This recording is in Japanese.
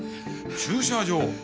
駐車場。